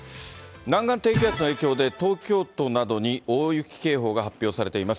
南岸低気圧の影響で、東京都などに大雪警報が発表されています。